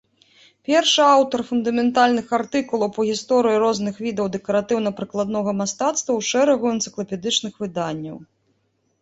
Першы аўтар фундаментальных артыкулаў па гісторыі розных відаў дэкаратыўна-прыкладнога мастацтва ў шэрагу энцыклапедычных выданняў.